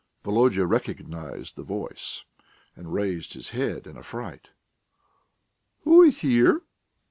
Volodya recognised the voice, and raised his head in a fright. "Who is here?"